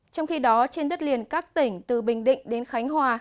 trong khi đó trên đất liền các tỉnh từ bình định đến khánh hòa